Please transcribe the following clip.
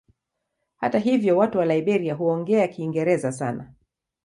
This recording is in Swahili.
Hata hivyo watu wa Liberia huongea Kiingereza sana.